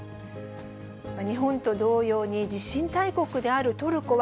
日本と同様に地震大国であるトルコは、